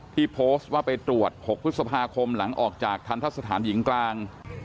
ที่โพสต์ว่าไปตรวจ๖พฤษภาคมหลังออกจากทันทะสถานหญิงกลาง